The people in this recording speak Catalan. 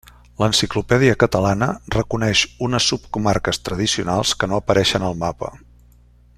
L'Enciclopèdia Catalana reconeix unes subcomarques tradicionals que no apareixen al mapa.